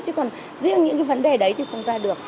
chứ còn riêng những cái vấn đề đấy thì không ra được